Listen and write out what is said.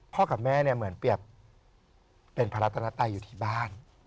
กับแม่เนี่ยเหมือนเปรียบเป็นพระรัตนไตอยู่ที่บ้าน